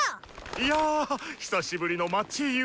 いや久しぶりの街ゆえ。